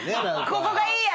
「ここがいいや！」